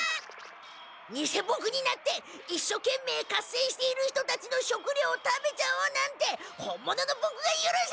偽ボクになって一所懸命合戦している人たちの食料を食べちゃおうなんて本物のボクがゆるさない！